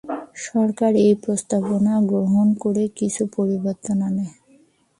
সরকার এ প্রস্তাবনা গ্রহণ করে কিছু পরিবর্তন আনে।